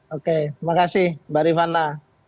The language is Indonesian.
oke terima kasih mbak rifana